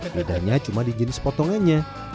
bedanya cuma di jenis potongannya